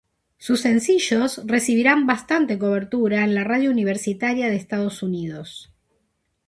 Sus sencillos recibirían bastante cobertura en la radio universitaria de Estados Unidos.